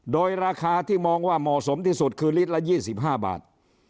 โดยราคาที่มองว่าเหมาะสมที่สุดคือลิตรละ๒๕บาท